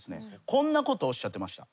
こんなことおっしゃってました。